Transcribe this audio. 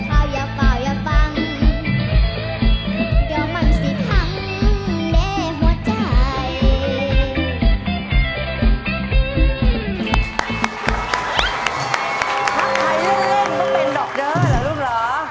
ถ้าใครเล่นต้องเป็นดอกเดิ้นเหรอลูกเหรอ